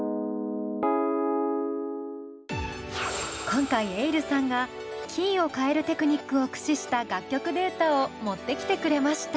今回ｅｉｌｌさんがキーを変えるテクニックを駆使した楽曲データを持ってきてくれました。